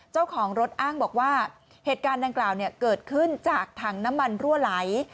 เจ้าของรถอ้างบอกว่าเหตุการณ์ดังกล่าวเกิดขึ้นจากถังน้ำมันรั่วไหล